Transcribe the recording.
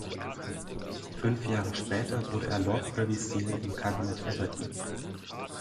Fünf Jahre später wurde er Lord Privy Seal im Kabinett Aberdeen.